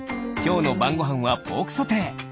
きょうのばんごはんはポークソテー。